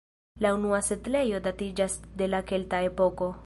La unua setlejo datiĝas de la kelta epoko.